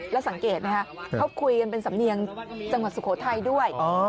แล้วสังเกตไหมคะเขาคุยกันเป็นสำเนียงจังหวัดสุโขทัยด้วย